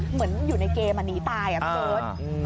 เหมือนอยู่ในเกมอะหนีตายอะเกิด